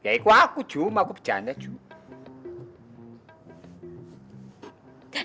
ya ikut aku cuma aku berjanda cuma